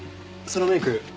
そのメイク